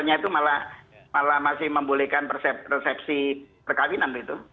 l nya itu malah malah masih membolehkan persepsi perkawinan gitu